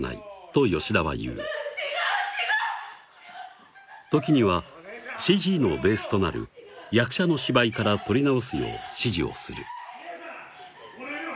と吉田は言う時にはＣＧのベースとなる役者の芝居から撮り直すよう指示をする「俺を見ろ！